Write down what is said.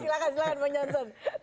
silahkan silahkan bang jansan